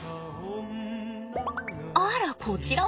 あらこちらも。